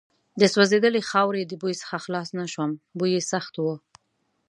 د سوځېدلې خاورې د بوی څخه خلاص نه شوم، بوی یې سخت و.